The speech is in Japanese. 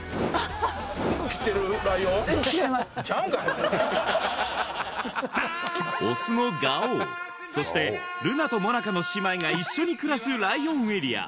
ハハハハオスのガオウそしてルナとモナカの姉妹が一緒に暮らすライオンエリア